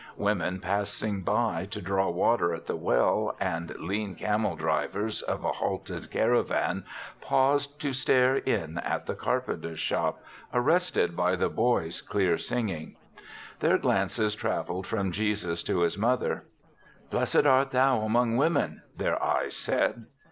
Women passing by to draw water at the well and lean camel drivers of a halted caravan paused to stare in at the carpenter's shop, ar rested by the boy's clear singing. Their glances traveled from Jesus to his mother. " Blessed art thou among women,'' their eyes said.